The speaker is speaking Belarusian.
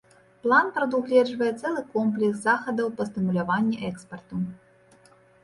План прадугледжвае цэлы комплекс захадаў па стымуляванні экспарту.